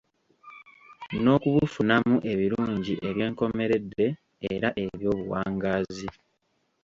N'okubufunamu ebirungi eby'enkomeredde era eby'obuwangaazi.